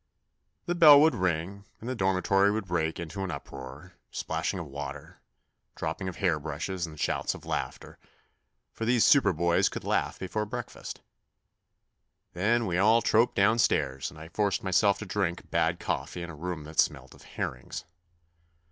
The bell would ring and the dormitory would break into an uproar, splash ing of water, dropping of hair brushes and shouts of laughter, for these super boys could laugh before breakfast. Then we all trooped downstairs and I forced myself to drink bad coffee in a room that smelt of herrings.